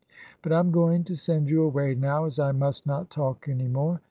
But I am going to send you away now, as I must not talk any more."